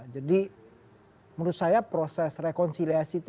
jadi menurut saya proses rekonsiliasi itu